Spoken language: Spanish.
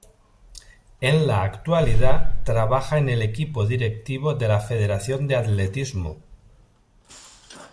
En la actualidad trabaja en el equipo directivo de la Federación de Atletismo.